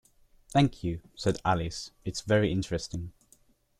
‘Thank you,’ said Alice, ‘it’s very interesting’.